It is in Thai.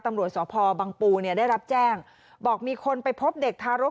ตำรวจสพบังปูเนี่ยได้รับแจ้งบอกมีคนไปพบเด็กทารก